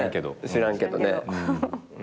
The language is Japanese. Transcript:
知らんけどね。